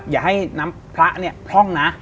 อย่าให้น้ำพระพร่องนะ